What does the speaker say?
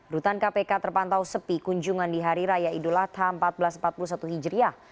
rutan kpk terpantau sepi kunjungan di hari raya idul adha seribu empat ratus empat puluh satu hijriah